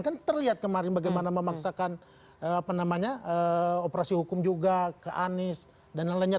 kan terlihat kemarin bagaimana memaksakan operasi hukum juga ke anies dan lain lainnya